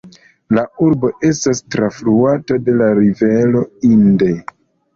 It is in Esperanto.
La urbo estas trafluata de la rivero Indre.